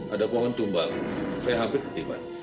ada pohon tumbang saya hampir ketimbang